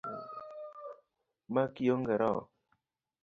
Ma kionge roho?